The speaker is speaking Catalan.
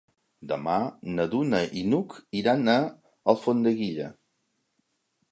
Demà na Duna i n'Hug iran a Alfondeguilla.